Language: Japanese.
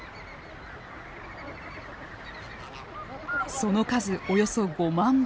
その数およそ５万羽。